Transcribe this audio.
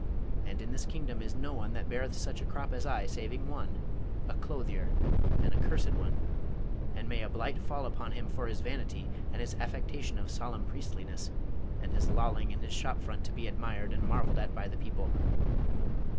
And in this kingdom is no one that beareth such a crop as I, saving one, a clothier, an accursed one! and may a blight fall upon him for his vanity and his affectation of solemn priestliness, and his lolling in his shop front to be admired and marvelled at by the people.